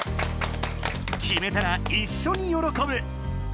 きめたらいっしょによろこぶ！